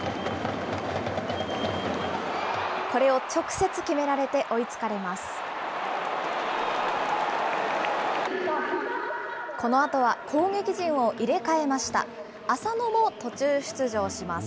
これを直接決められて、追いつかれます。